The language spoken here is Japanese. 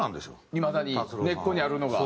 いまだに根っこにあるのが。